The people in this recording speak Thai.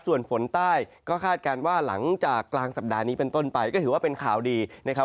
ส่วนฝนใต้ก็คาดการณ์ว่าหลังจากกลางสัปดาห์นี้เป็นต้นไปก็ถือว่าเป็นข่าวดีนะครับ